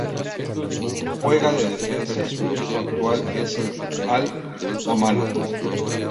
Juega de defensa y su equipo actual es el Al-Amana.